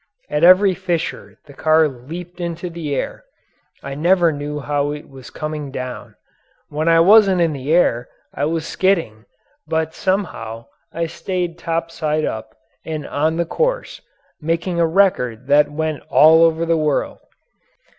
At every fissure the car leaped into the air. I never knew how it was coming down. When I wasn't in the air, I was skidding, but somehow I stayed top side up and on the course, making a record that went all over the world!